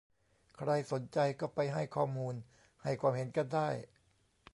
ใครสนใจก็ไปให้ข้อมูลให้ความเห็นกันได้